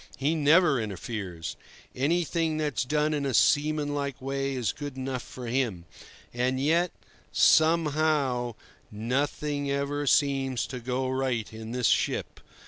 He never interferes. Anything that's done in a seamanlike way is good enough for him. And yet, somehow, nothing ever seems to go right in this ship.